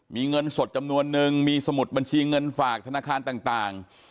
มีเงินสดจำนวนนึงมีสมุดบัญชีเงินฝากธนาคารต่าง